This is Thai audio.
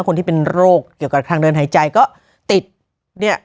คนที่เป็นโรคเกี่ยวกับทางเดินหายใจก็ติดเนี่ย